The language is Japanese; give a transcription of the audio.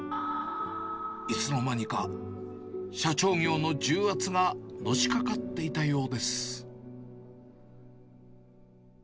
いつのまにか、社長業の重圧がのしかかっていたようです。